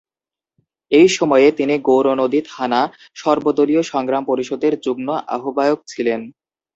এই সময়ে তিনি গৌরনদী থানা সর্বদলীয় সংগ্রাম পরিষদের যুগ্ম আহ্বায়ক ছিলেন।